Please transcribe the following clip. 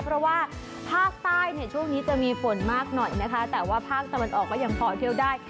เพราะว่าภาคใต้เนี่ยช่วงนี้จะมีฝนมากหน่อยนะคะแต่ว่าภาคตะวันออกก็ยังพอเที่ยวได้